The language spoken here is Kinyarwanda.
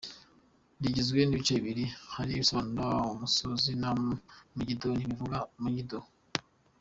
Rigizwe n’ibice bibiri, “Har” risobanura “Umusozi” na “Magedone” bivuga “Megiddo.